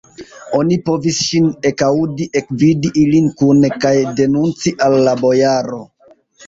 Oni povis ŝin ekaŭdi, ekvidi ilin kune kaj denunci al la bojaro.